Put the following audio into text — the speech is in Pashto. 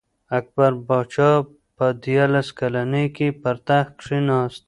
اکبر پاچا په دیارلس کلنۍ کي پر تخت کښېناست.